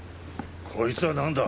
こいつは何だ！？